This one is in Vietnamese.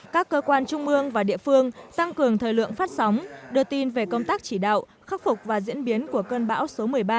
các cơ quan trung mương và địa phương tăng cường thời lượng phát sóng đưa tin về công tác chỉ đạo khắc phục và diễn biến của cơn bão số một mươi ba